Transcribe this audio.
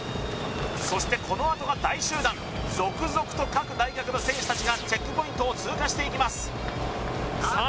そしてこのあとが大集団続々と各大学の選手達がチェックポイントを通過していきますさあ